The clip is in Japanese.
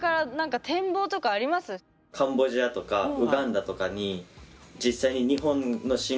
カンボジアとかウガンダとかに実際にすごい。